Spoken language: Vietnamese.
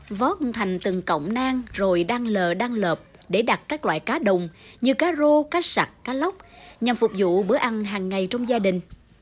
các loại cây được hình thành từng cọng nang rồi đăng lờ đăng lợp để đặt các loại cá đồng như cá rô cá sạc cá lóc nhằm phục vụ bữa ăn hàng ngày trong gia đình